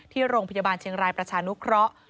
ที่โรงพยาบาลเชียงรายประชานุเคราะห์